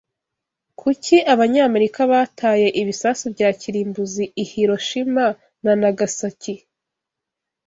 Kuki Abanyamerika bataye ibisasu bya kirimbuzi i Hiroshima na Nagasaki